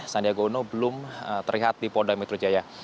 sandiaga uno belum terlihat di polda metro jaya